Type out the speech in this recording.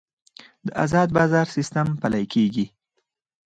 د ازاد بازار سیستم پلی کیږي